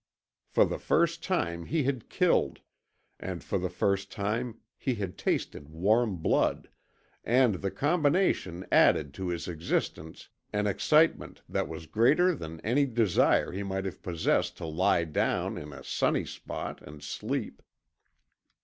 For the first time he had killed, and for the first time he had tasted warm blood, and the combination added to his existence an excitement that was greater than any desire he might have possessed to lie down in a sunny spot and sleep.